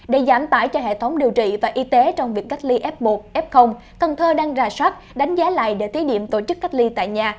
để giảm tải cho hệ thống điều trị và y tế trong việc cách ly f một f cần thơ đang rà soát đánh giá lại để thí điểm tổ chức cách ly tại nhà